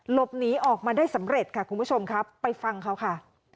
หลบหนีออกมาได้สำเร็จค่ะคุณผู้ชมครับไปฟังเขาค่ะ